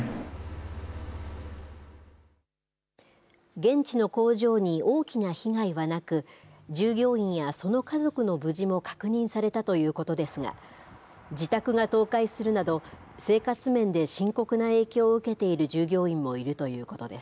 現地の工場に大きな被害はなく、従業員やその家族の無事も確認されたということですが、自宅が倒壊するなど、生活面で深刻な影響を受けている従業員もいるということです。